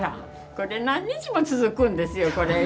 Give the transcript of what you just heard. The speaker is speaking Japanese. これ何日も続くんですよこれ。